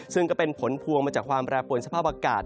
ซึ่งก็เป็นผลพวงมาจากความแปรปวนสภาพอากาศ